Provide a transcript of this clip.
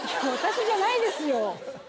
私じゃないですよ。